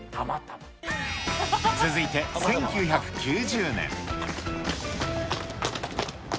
続いて１９９０年。